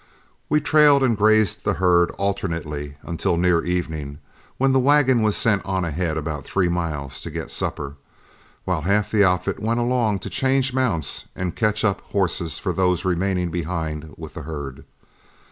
We trailed and grazed the herd alternately until near evening, when the wagon was sent on ahead about three miles to get supper, while half the outfit went along to change mounts and catch up horses for those remaining behind with the herd.